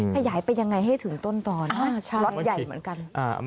ขยายไปยังไงให้ถึงต้นตอนล็อตใหญ่เหมือนกัน